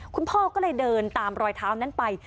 คุณพ่อก็เลยเดินตามรอยเท้านั้นไป